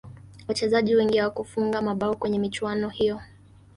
wachezaji wengi hawakufunga mabao kwenye michuano hiyo